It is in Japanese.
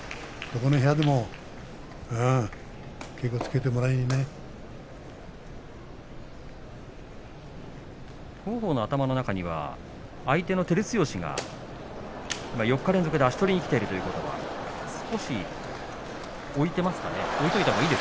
どこの部屋でも王鵬の頭の中には相手照強が４日連続で足取りにきているというのは少し置いていますかね。